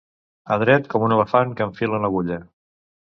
Adret com un elefant que enfila una agulla.